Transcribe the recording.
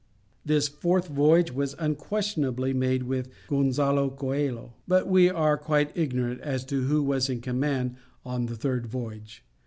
This fourth voyage was unquestionably made with Gonzalo Coelho, but we are quite ignorant as to who was in command on the third voyage.